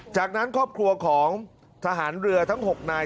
จากนั้นครอบครัวของทหารเรือทั้ง๖นาย